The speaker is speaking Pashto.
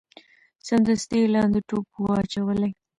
سمدستي یې لاندي ټوپ وو اچولی